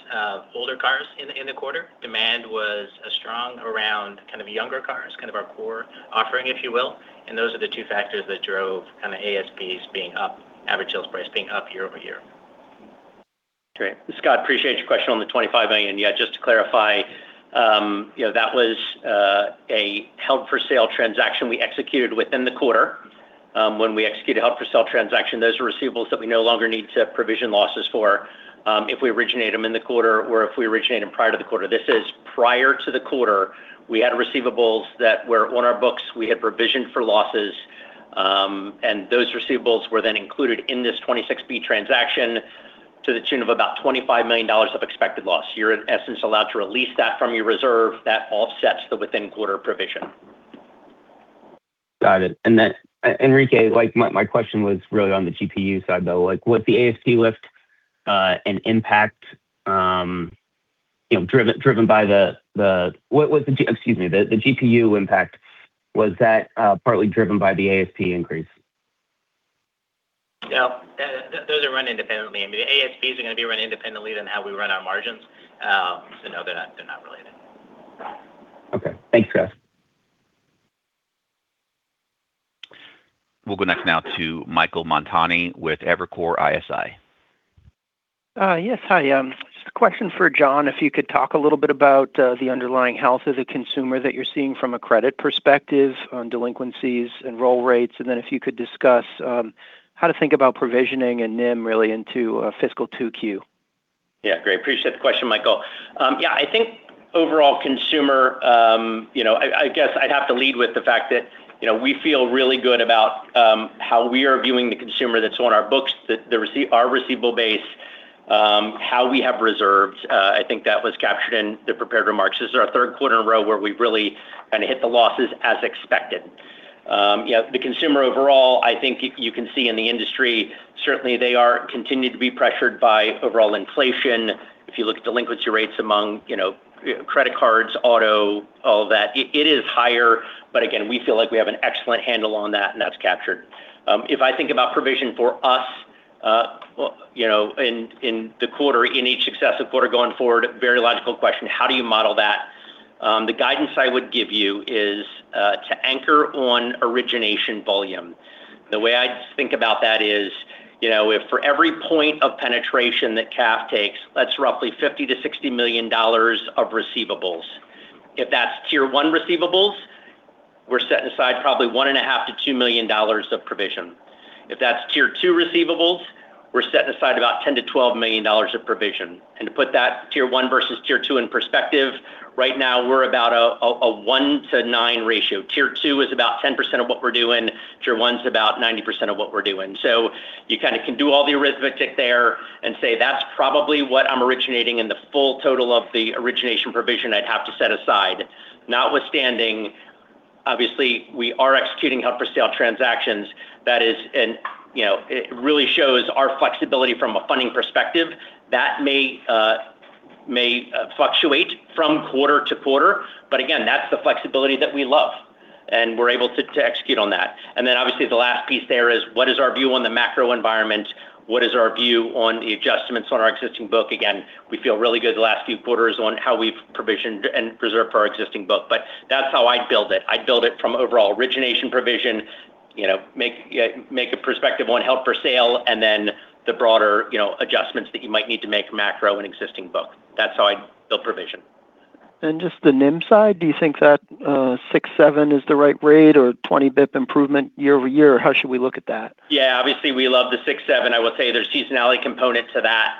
older cars in the quarter. Demand was strong around kind of younger cars, kind of our core offering, if you will. Those are the two factors that drove kind of ASPs being up, average sales price being up year-over-year. Great. Scot, appreciate your question on the $25 million. Yeah, just to clarify, that was a held-for-sale transaction we executed within the quarter. When we execute a held-for-sale transaction, those are receivables that we no longer need to provision losses for if we originate them in the quarter or if we originate them prior to the quarter. This is prior to the quarter, we had receivables that were on our books we had provisioned for losses, and those receivables were then included in this 2026-B transaction to the tune of about $25 million of expected loss. You're, in essence, allowed to release that from your reserve. That offsets the within-quarter provision. Got it. Enrique, my question was really on the GPU side, though. Like with the ASP lift, an impact driven by the Excuse me, the GPU impact, was that partly driven by the ASP increase? No, those are run independently. I mean, the ASPs are going to be run independently than how we run our margins. No, they're not related. Okay. Thanks, guys. We'll go next now to Michael Montani with Evercore ISI. Yes, hi. Just a question for Jon, if you could talk a little bit about the underlying health of the consumer that you're seeing from a credit perspective on delinquencies, roll rates, and then if you could discuss how to think about provisioning and NIM really into fiscal 2Q. Yeah, great. Appreciate the question, Michael. Yeah, I think overall consumer, I guess I'd have to lead with the fact that we feel really good about how we are viewing the consumer that's on our books, our receivable base how we have reserved. I think that was captured in the prepared remarks. This is our third quarter in a row where we've really kind of hit the losses as expected. The consumer overall, I think you can see in the industry, certainly they are continuing to be pressured by overall inflation. If you look at delinquency rates among credit cards, auto, all of that, it is higher, but again, we feel like we have an excellent handle on that, and that's captured. If I think about provision for us in the quarter, in each successive quarter going forward, very logical question, how do you model that? The guidance I would give you is to anchor on origination volume. The way I think about that is if for every point of penetration that CAF takes, that's roughly $50 million-$60 million of receivables. If that's Tier 1 receivables, we're setting aside probably $1.5 million-$2 million of provision. If that's Tier 2 receivables, we're setting aside about $10 million-$12 million of provision. To put that Tier 1 versus Tier 2 in perspective, right now we're about a 1:9 ratio. Tier 2 is about 10% of what we're doing. Tier 1 is about 90% of what we're doing. You kind of can do all the arithmetic there and say that's probably what I'm originating in the full total of the origination provision I'd have to set aside. Notwithstanding, obviously, we are executing held for sale transactions. It really shows our flexibility from a funding perspective that may fluctuate from quarter to quarter. But again, that's the flexibility that we love, and we're able to execute on that. Then obviously the last piece there is, what is our view on the macro environment? What is our view on the adjustments on our existing book? Again, we feel really good the last few quarters on how we've provisioned and preserved our existing book. That's how I'd build it. I'd build it from overall origination provision, make a perspective on held for sale, and then the broader adjustments that you might need to make macro an existing book. That's how I'd build provision. Just the NIM side, do you think that six, seven is the right rate or 20 basis points improvement year-over-year? How should we look at that? Yeah. Obviously we love the six, seven. I will say there's seasonality component to that.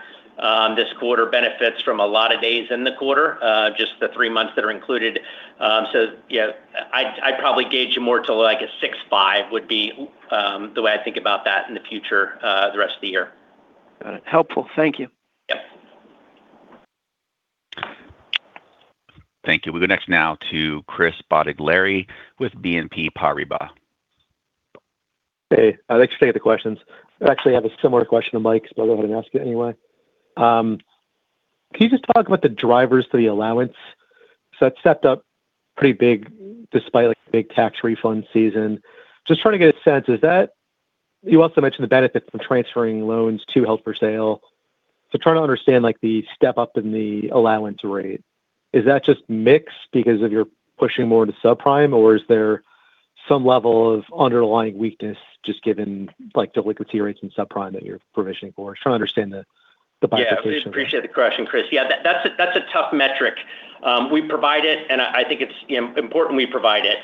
This quarter benefits from a lot of days in the quarter, just the three months that are included. Yeah, I'd probably gauge more to a six, five would be the way I think about that in the future, the rest of the year. Got it. Helpful. Thank you. Yep. Thank you. We'll go next now to Chris Bottiglieri with BNP Paribas. Hey, I'd like to stay with the questions. I actually have a similar question to Mike's, but I'll go ahead and ask it anyway. Can you just talk about the drivers to the allowance? That stepped up pretty big despite a big tax refund season. Just trying to get a sense, you also mentioned the benefits of transferring loans to held for sale. Trying to understand the step-up in the allowance rate. Is that just mix because of your pushing more to subprime, or is there some level of underlying weakness just given delinquency rates in subprime that you're provisioning for? I'm trying to understand the bifurcation there. Appreciate the question, Chris. That's a tough metric. We provide it, and I think it's important we provide it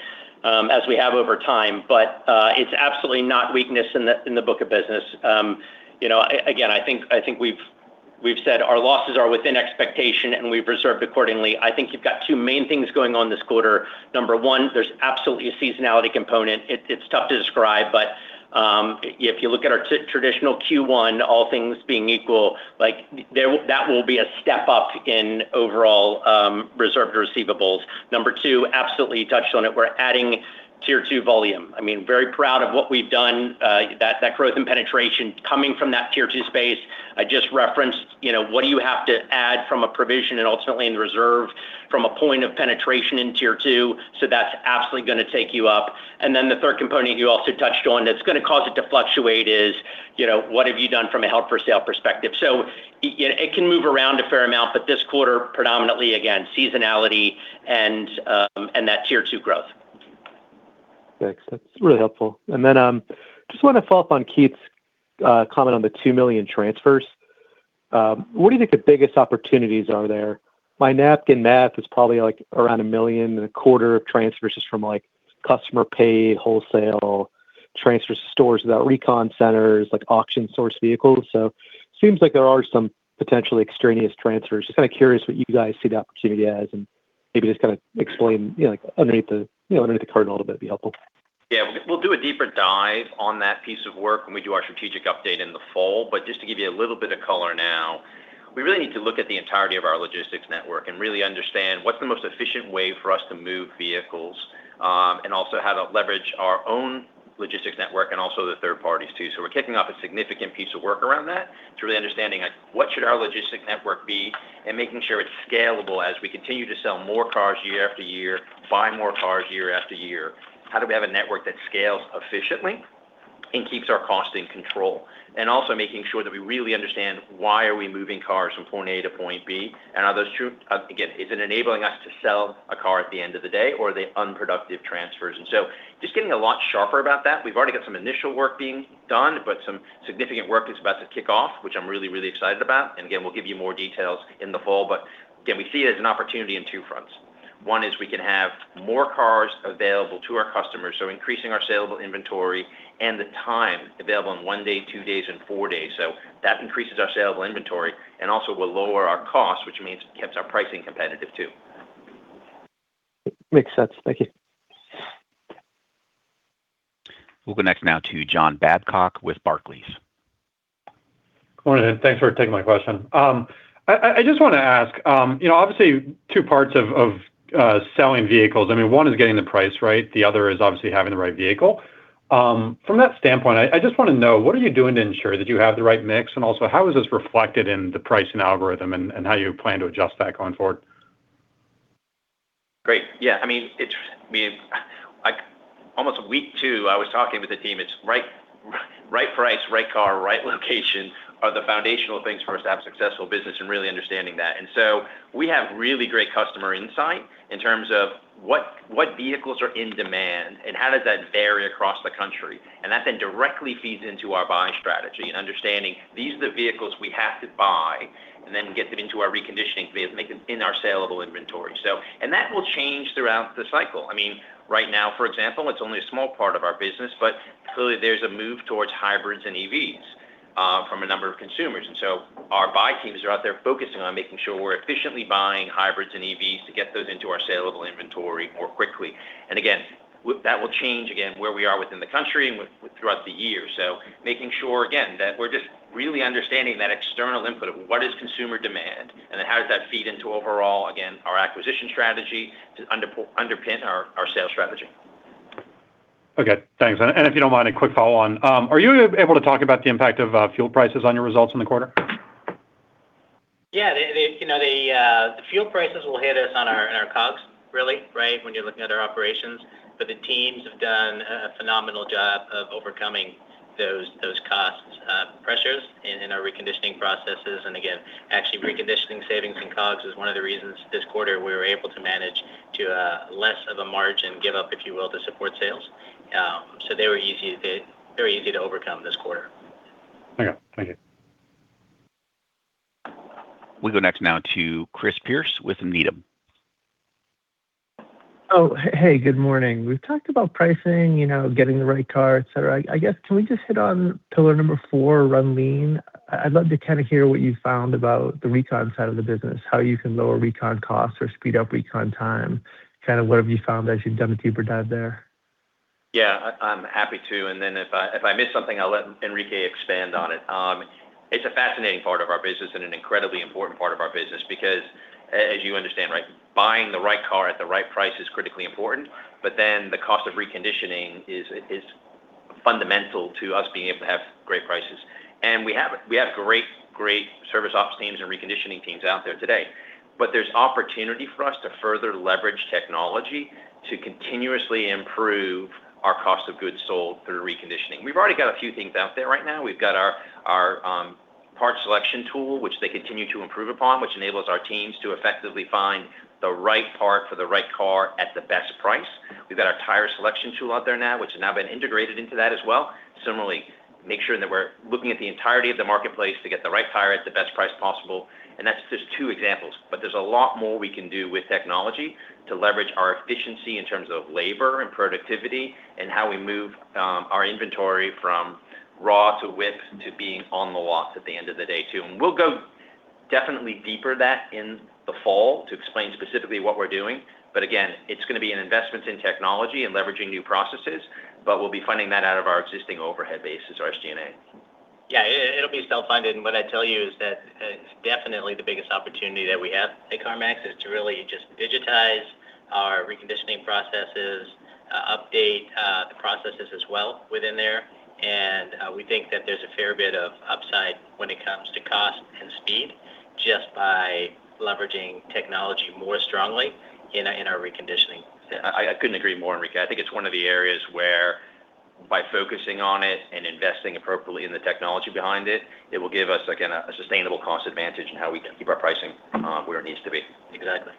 as we have over time. It's absolutely not weakness in the book of business. Again, I think we've said our losses are within expectation, and we've reserved accordingly. I think you've got two main things going on this quarter. Number one, there's absolutely a seasonality component. It's tough to describe, but if you look at our traditional Q1, all things being equal, that will be a step up in overall reserved receivables. Number two, absolutely touched on it, we're adding Tier 2 volume. Very proud of what we've done, that growth and penetration coming from that Tier 2 space. I just referenced what do you have to add from a provision and ultimately in the reserve from a point of penetration in Tier 2. That's absolutely going to take you up. The third component you also touched on that's going to cause it to fluctuate is what have you done from a held for sale perspective. It can move around a fair amount, but this quarter predominantly, again, seasonality and that Tier 2 growth. Thanks. That's really helpful. Just want to follow up on Keith's comment on the $2 million transfers. What do you think the biggest opportunities are there? My napkin math is probably around $1 million in a quarter of transfers just from customer paid wholesale, transfer stores without recon centers, like auction source vehicles. Seems like there are some potentially extraneous transfers. Just kind of curious what you guys see the opportunity as, and maybe just kind of explain underneath the hood of the car a little bit would be helpful. Yeah. We'll do a deeper dive on that piece of work when we do our strategic update in the fall. Just to give you a little bit of color now, we really need to look at the entirety of our logistics network and really understand what's the most efficient way for us to move vehicles. Also how to leverage our own logistics network and also the third parties too. We're kicking off a significant piece of work around that to really understanding what should our logistics network be and making sure it's scalable as we continue to sell more cars year after year, buy more cars year after year. How do we have a network that scales efficiently and keeps our cost in control? Also making sure that we really understand why are we moving cars from point A to point B, and are those two, again, is it enabling us to sell a car at the end of the day, or are they unproductive transfers? Just getting a lot sharper about that. We've already got some initial work being done, but some significant work is about to kick off, which I'm really, really excited about. Again, we'll give you more details in the fall. Again, we see it as an opportunity in two fronts. One is we can have more cars available to our customers, so increasing our saleable inventory and the time available in one day, two days, and four days. That increases our saleable inventory and also will lower our cost, which means it keeps our pricing competitive too. Makes sense. Thank you. We'll go next now to John Babcock with Barclays. Good morning. Thanks for taking my question. I just want to ask, obviously two parts of selling vehicles. One is getting the price right, the other is obviously having the right vehicle. From that standpoint, I just want to know, what are you doing to ensure that you have the right mix, and also how is this reflected in the pricing algorithm and how you plan to adjust that going forward? Great. Yeah. Almost week two, I was talking with the team. Right price, right car, right location are the foundational things for us to have a successful business and really understanding that. We have really great customer insight in terms of what vehicles are in demand and how does that vary across the country. That then directly feeds into our buying strategy and understanding these are the vehicles we have to buy and then get them into our reconditioning phase and make them in our saleable inventory. That will change throughout the cycle. Right now, for example, it's only a small part of our business, but clearly there's a move towards hybrids and EVs. From a number of consumers. Our buy teams are out there focusing on making sure we're efficiently buying hybrids and EVs to get those into our saleable inventory more quickly. That will change where we are within the country and throughout the year. Making sure, again, that we're just really understanding that external input of what is consumer demand, and then how does that feed into overall, again, our acquisition strategy to underpin our sales strategy. Okay, thanks. If you don't mind, a quick follow-on. Are you able to talk about the impact of fuel prices on your results in the quarter? Yeah. The fuel prices will hit us on our COGS, really, when you're looking at our operations. The teams have done a phenomenal job of overcoming those cost pressures in our reconditioning processes. Actually reconditioning savings in COGS is one of the reasons this quarter we were able to manage to less of a margin give up, if you will, to support sales. They were very easy to overcome this quarter. Okay. Thank you. We go next now to Chris Pierce with Needham. Oh, hey, good morning. We've talked about pricing, getting the right car, et cetera. I guess, can we just hit on pillar number four, run lean? I'd love to hear what you found about the recon side of the business, how you can lower recon costs or speed up recon time. What have you found as you've done a deeper dive there? Yeah, I'm happy to. If I miss something, I'll let Enrique expand on it. It's a fascinating part of our business and an incredibly important part of our business because as you understand, buying the right car at the right price is critically important. The cost of reconditioning is fundamental to us being able to have great prices. We have great service ops teams and reconditioning teams out there today. There's opportunity for us to further leverage technology to continuously improve our cost of goods sold through reconditioning. We've already got a few things out there right now. We've got our part selection tool, which they continue to improve upon, which enables our teams to effectively find the right part for the right car at the best price. We've got our tire selection tool out there now, which has now been integrated into that as well. Similarly, make sure that we're looking at the entirety of the marketplace to get the right tire at the best price possible. That's just two examples, there's a lot more we can do with technology to leverage our efficiency in terms of labor and productivity and how we move our inventory from raw to WIP to being on the lot at the end of the day, too. We'll go definitely deeper that in the fall to explain specifically what we're doing. Again, it's going to be an investment in technology and leveraging new processes, we'll be funding that out of our existing overhead bases, our SG&A. Yeah, it'll be self-funded. What I'd tell you is that definitely the biggest opportunity that we have at CarMax is to really just digitize our reconditioning processes, update the processes as well within there. We think that there's a fair bit of upside when it comes to cost and speed just by leveraging technology more strongly in our reconditioning. I couldn't agree more, Enrique. I think it's one of the areas where by focusing on it and investing appropriately in the technology behind it will give us, again, a sustainable cost advantage in how we can keep our pricing where it needs to be. Exactly.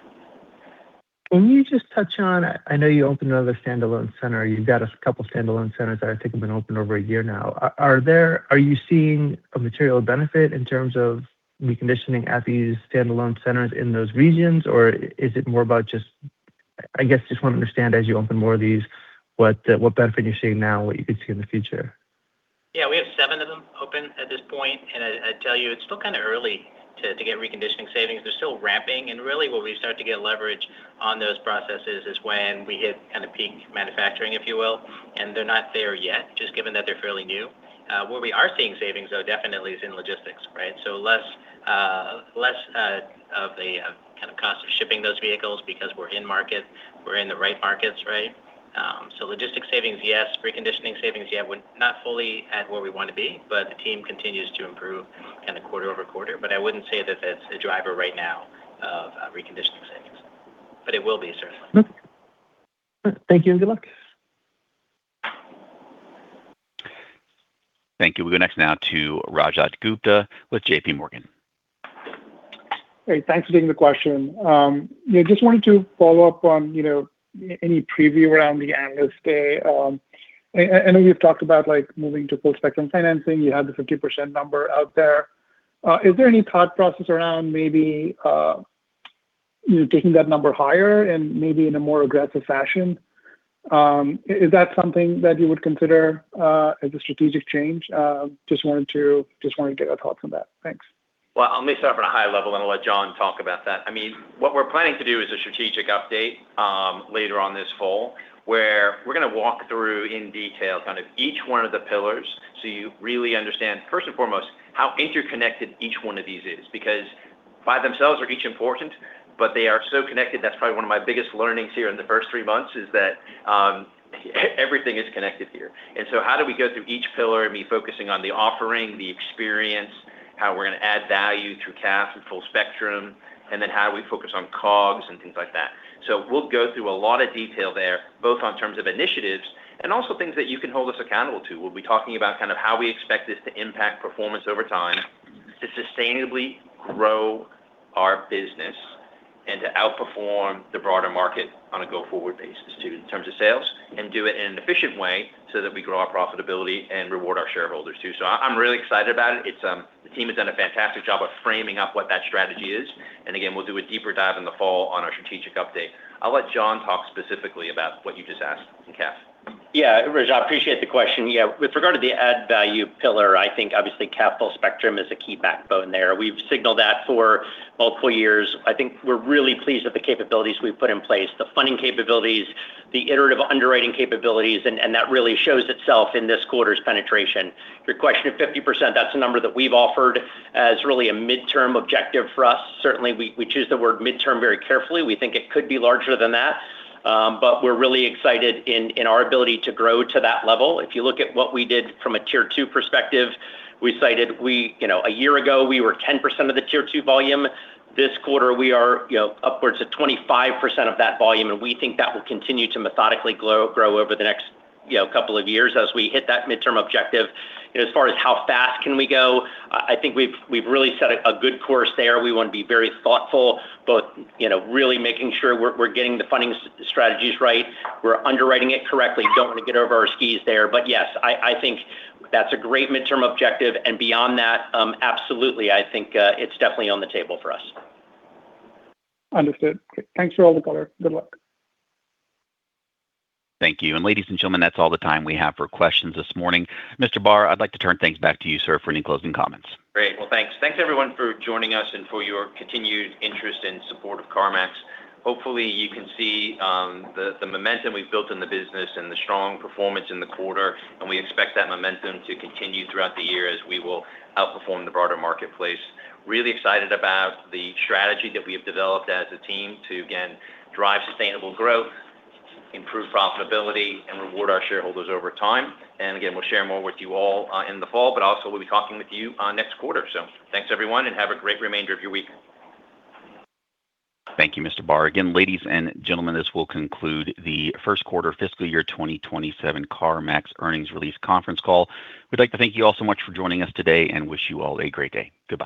Can you just touch on, I know you opened another standalone center. You've got a couple standalone centers that I think have been open over a year now. Are you seeing a material benefit in terms of reconditioning at these standalone centers in those regions? Or is it more about just I guess just want to understand as you open more of these, what benefit you're seeing now and what you could see in the future? Yeah, we have seven of them open at this point, and I'd tell you it's still kind of early to get reconditioning savings. They're still ramping, and really where we start to get leverage on those processes is when we hit kind of peak manufacturing, if you will. They're not there yet, just given that they're fairly new. Where we are seeing savings, though, definitely is in logistics. Less of the cost of shipping those vehicles because we're in market, we're in the right markets. Logistics savings, yes. Reconditioning savings, yeah. We're not fully at where we want to be, but the team continues to improve quarter over quarter. I wouldn't say that that's a driver right now of reconditioning savings. It will be certainly. Okay. Thank you and good luck. Thank you. We go next now to Rajat Gupta with JPMorgan. Hey, thanks for taking the question. Just wanted to follow up on any preview around the Analyst Day. I know you've talked about moving to full-spectrum financing. You have the 50% number out there. Is there any thought process around maybe taking that number higher and maybe in a more aggressive fashion? Is that something that you would consider as a strategic change? Just wanted to get a thought from that. Thanks. Let me start off at a high level, then I'll let Jon talk about that. What we're planning to do is a strategic update later on this fall, where we're going to walk through in detail each one of the pillars so you really understand, first and foremost, how interconnected each one of these is. Because by themselves they're each important, but they are so connected. That's probably one of my biggest learnings here in the first three months is that everything is connected here. How do we go through each pillar and be focusing on the offering, the experience, how we're going to add value through CAF and full-spectrum, and then how do we focus on COGS and things like that? We'll go through a lot of detail there, both on terms of initiatives and also things that you can hold us accountable to. We'll be talking about how we expect this to impact performance over time to sustainably grow our business and to outperform the broader market on a go-forward basis too, in terms of sales. Do it in an efficient way so that we grow our profitability and reward our shareholders too. I'm really excited about it. The team has done a fantastic job of framing up what that strategy is. Again, we'll do a deeper dive in the fall on our strategic update. I'll let Jon talk specifically about what you just asked in CAF. Yeah, Raj, I appreciate the question. With regard to the add-value pillar, I think obviously full-spectrum is a key backbone there. We've signaled that for multiple years. I think we're really pleased with the capabilities we've put in place, the funding capabilities, the iterative underwriting capabilities, and that really shows itself in this quarter's penetration. Your question of 50%, that's a number that we've offered as really a midterm objective for us. Certainly, we choose the word midterm very carefully. We think it could be larger than that. We're really excited in our ability to grow to that level. If you look at what we did from a Tier 2 perspective, we cited a year ago, we were 10% of the Tier 2 volume. This quarter, we are upwards of 25% of that volume, we think that will continue to methodically grow over the next couple of years as we hit that midterm objective. As far as how fast can we go, I think we've really set a good course there. We want to be very thoughtful, both really making sure we're getting the funding strategies right, we're underwriting it correctly, don't want to get over our skis there. Yes, I think that's a great midterm objective, and beyond that, absolutely, I think it's definitely on the table for us. Understood. Thanks for all the color. Good luck. Thank you. Ladies and gentlemen, that's all the time we have for questions this morning. Mr. Barr, I'd like to turn things back to you, sir, for any closing comments. Great. Well, thanks. Thanks, everyone, for joining us and for your continued interest and support of CarMax. Hopefully, you can see the momentum we've built in the business and the strong performance in the quarter. We expect that momentum to continue throughout the year as we will outperform the broader marketplace. Really excited about the strategy that we have developed as a team to, again, drive sustainable growth, improve profitability, and reward our shareholders over time. Again, we'll share more with you all in the fall, but also we'll be talking with you next quarter. Thanks, everyone, and have a great remainder of your week. Thank you, Mr. Barr. Again, ladies and gentlemen, this will conclude the first quarter fiscal year 2027 CarMax earnings release conference call. We'd like to thank you all so much for joining us today and wish you all a great day. Goodbye.